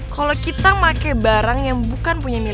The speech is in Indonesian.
kalau kita pakai barang yang bukan punya milik